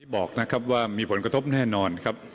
บอกนะครับว่ามีผลกระทบแน่นอนครับ